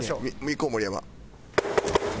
いこう盛山。